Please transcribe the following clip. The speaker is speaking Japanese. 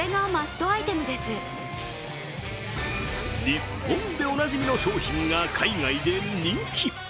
日本でおなじみの商品が海外で人気。